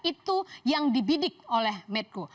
itu yang dibidik oleh medco